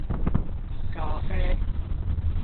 咖啡